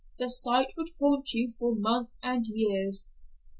The sight would haunt you for months and years."